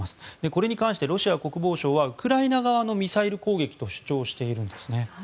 これに関してロシア国防省はウクライナ側のミサイル攻撃と主張しているんですね。